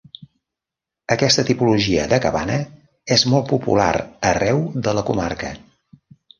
Aquesta tipologia de cabana és molt popular arreu de la comarca.